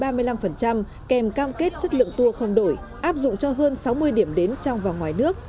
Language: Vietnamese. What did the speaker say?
kèm cam kết chất lượng tour không đổi áp dụng cho hơn sáu mươi điểm đến trong và ngoài nước